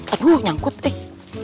aduh nyangkut deh